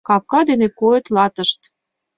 Капка дене койыт латышт